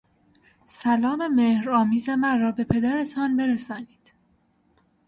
سلام مهر آمیز مرا به پدرتان برسانید.